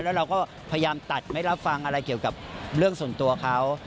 แล้วเราก็พยายามตัดไม่รับฟังอะไรเกี่ยวกับเรื่องส่วนตัวเขา